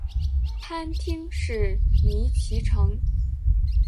藩厅是尼崎城。